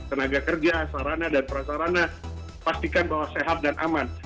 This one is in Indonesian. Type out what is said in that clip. tenaga kerja sarana dan prasarana pastikan bahwa sehat dan aman